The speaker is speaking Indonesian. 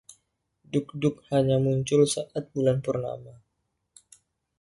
Duk-Duk hanya muncul saat bulan purnama.